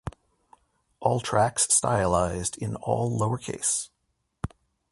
All tracks stylized in all lowercase.